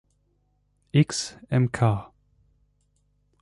X, Mk.